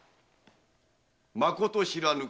まこと知らぬか？